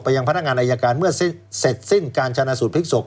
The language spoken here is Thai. ยังพนักงานอายการเมื่อเสร็จสิ้นการชนะสูตรพลิกศพ